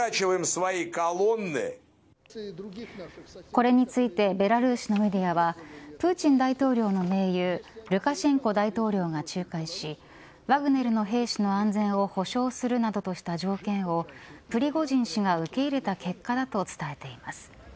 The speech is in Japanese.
これについてベラルーシのメディアはプーチン大統領の盟友ルカシェンコ大統領が仲介しワグネルの兵士の安全を保証するなどとした条件をプリゴジン氏が受け入れた結果だと伝えています。